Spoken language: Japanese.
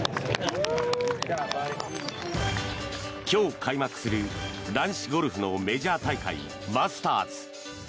今日開幕する男子ゴルフのメジャー大会、マスターズ。